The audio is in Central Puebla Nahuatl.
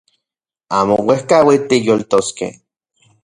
Amo uejkauitl tiyoltoskej